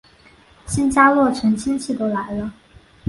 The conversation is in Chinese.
新家落成亲戚都来了